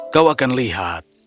kau akan lihat